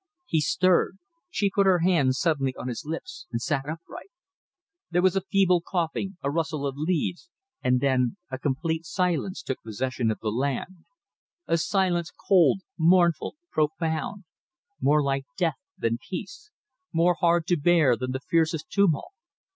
He stirred. She put her hand suddenly on his lips and sat upright. There was a feeble coughing, a rustle of leaves, and then a complete silence took possession of the land; a silence cold, mournful, profound; more like death than peace; more hard to bear than the fiercest tumult.